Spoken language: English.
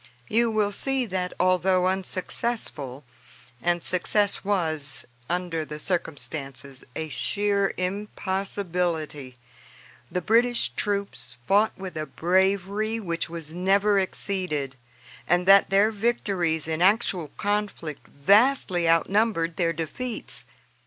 You will see that, although unsuccessful, and success was, under the circumstances, a sheer impossibility, the British troops fought with a bravery which was never exceeded, and that their victories in actual conflict vastly outnumbered their defeats.